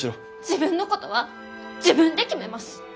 自分のことは自分で決めます！